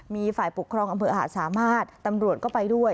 มีฝ่ายปกครองอำเภอหาดสามารถตำรวจก็ไปด้วย